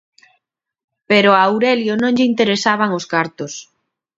Pero a Aurelio non lle interesaban os cartos.